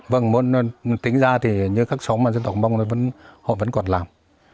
vâng tính ra thì như các xóm dân tộc mông họ vẫn còn làm